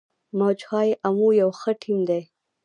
موج های امو یو ښه ټیم دی.